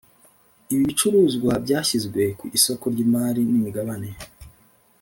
Ibi bicuruzwa byashyizwe ku isoko ry’imari n’imigabane